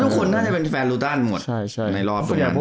ทุกคนน่าจะเป็นแฟนลูต้านหมดเป็นรอบตรงนั้น